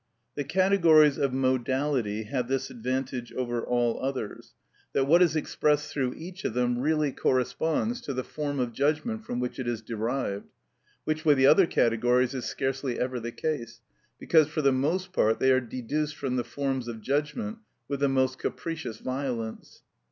The categories of Modality have this advantage over all others, that what is expressed through each of them really corresponds to the form of judgment from which it is derived; which with the other categories is scarcely ever the case, because for the most part they are deduced from the forms of judgment with the most capricious violence.